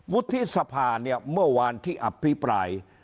วุฒิสภาเนี่ยเมื่อวานที่อภิปราย